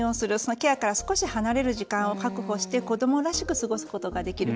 ケアから少し離れる時間を確保し子どもらしく過ごすことができる。